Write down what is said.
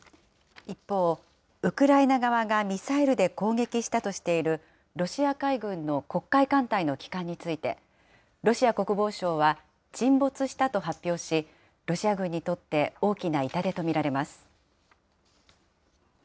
一方、ウクライナ側がミサイルで攻撃したとしているロシア海軍の黒海艦隊の旗艦について、ロシア国防省は沈没したと発表し、ロシア軍にとって大きな痛手と見られます。